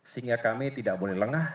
sehingga kami tidak boleh lengah